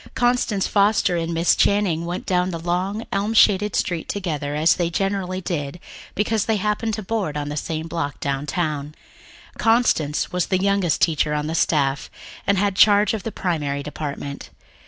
Constance Foster and Miss Channing went down the long, elm shaded street together, as they generally did, because they happened to board on the same block downtown. Constance was the youngest teacher on the staff, and had charge of the Primary Department.